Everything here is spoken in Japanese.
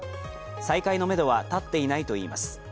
再開のめどは立っていないといいます。